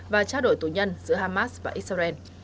và trao đổi tù nhân giữa hamas và israel